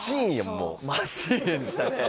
もうマシーンでしたね